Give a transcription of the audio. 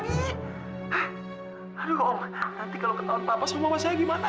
aduh kok oman nanti kalau ketahuan papa sama mama saya gimana